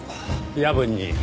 夜分に。